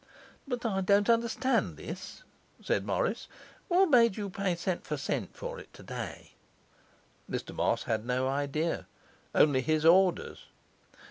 'But I don't understand this,' said Morris. 'What made you pay cent. per cent. for it today?' Mr Moss had no idea; only his orders.